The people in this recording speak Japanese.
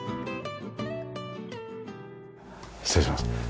失礼します。